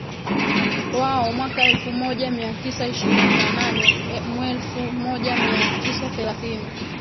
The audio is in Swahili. wao mwaka elfu moja mia tisa ishirini na nane Mwelfu moja mia tisa thelathini